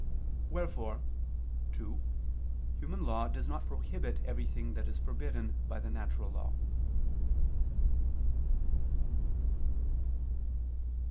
Wherefore, too, human law does not prohibit everything that is forbidden by the natural law.